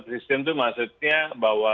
sistem itu maksudnya bahwa